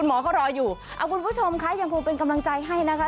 หมอเขารออยู่เอาคุณผู้ชมคะยังคงเป็นกำลังใจให้นะคะ